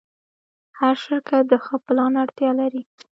هر شرکت د ښه پلان اړتیا لري.